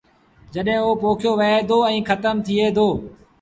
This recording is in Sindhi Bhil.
جڏهيݩٚ اوٚ پوکيو وهي دو ائيٚݩٚ کتم ٿئي دو